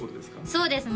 そうです